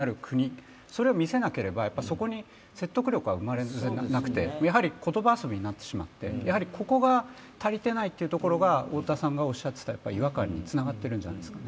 その結果、どう豊かになる国それを見せなければそこに説得力は生まれなくて言葉遊びになってしまってここが足りてないってところが太田さんがおっしゃってた違和感につながってるんじゃないですかね。